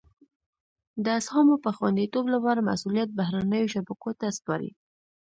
د اسهامو د خوندیتوب لپاره مسولیت بهرنیو شبکو ته سپاري.